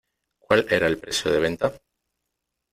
¿Cuál era el precio de venta?